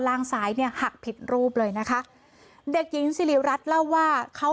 งซ้ายเนี่ยหักผิดรูปเลยนะคะเด็กหญิงสิริรัตน์เล่าว่าเขา